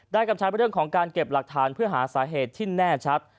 กำชับเรื่องของการเก็บหลักฐานเพื่อหาสาเหตุที่แน่ชัด